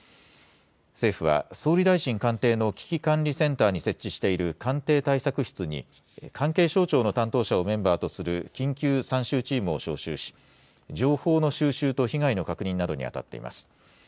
政府は総理大臣官邸の危機管理センターに設置している官邸対策室に、関係省庁の担当者をメンバーとする緊急参集チームを招集し、情報の収集と被害の確認などに当たっています。